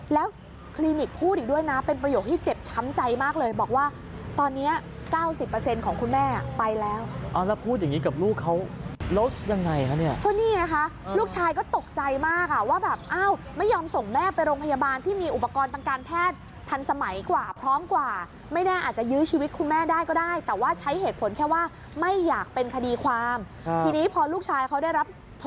ตั้งใจมากเลยบอกว่าตอนนี้๙๐ของคุณแม่ไปแล้วแล้วพูดอย่างนี้กับลูกเขาลดยังไงคะเนี่ยลูกชายก็ตกใจมากว่าไม่ยอมส่งแม่ไปโรงพยาบาลที่มีอุปกรณ์ปังการแพทย์ทันสมัยกว่าพร้อมกว่าไม่ได้อาจจะยื้อชีวิตคุณแม่ได้ก็ได้แต่ว่าใช้เหตุผลแค่ว่าไม่อยากเป็นคดีความทีนี้พอลูกชายเขาได้รับโท